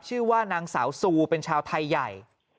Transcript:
ชื่อว่านางสาวซูเป็นชาวไทยใหญ่